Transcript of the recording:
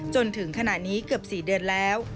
จนถึงขณะนี้เกือบ๔เดือนแล้ว